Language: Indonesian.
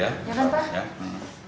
ya kan pak